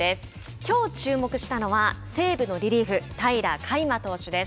きょう注目したのは西武のリリーフ平良海馬投手です。